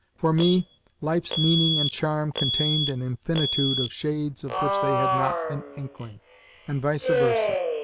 For me, life's meaning and charm contained an infinitude of shades of which they had not an inkling, and vice versa.